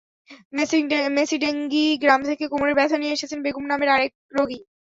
মেছিডেংগী গ্রাম থেকে কোমরের ব্যথা নিয়ে এসেছেন বেগম নামের আরেক রোগী।